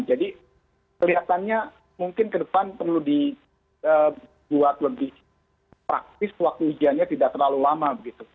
jadi kelihatannya mungkin kedepan perlu dibuat lebih praktis waktu ujiannya tidak terlalu lama